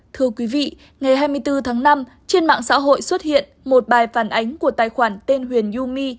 thưa quý vị ngày hai mươi bốn tháng năm trên mạng xã hội xuất hiện một bài phản ánh của tài khoản tên huỳnh yumi